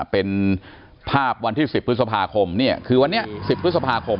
เป็นภาพวันที่๑๐พฤษภาคม๑๐พฤษภาคม